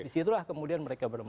di situlah kemudian mereka bermutu